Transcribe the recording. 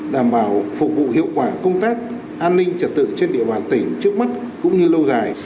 đảm bảo phục vụ hiệu quả công tác an ninh trật tự trên địa bàn tỉnh trước mắt cũng như lâu dài